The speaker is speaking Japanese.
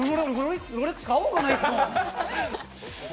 ロレックス買おうかな、１本。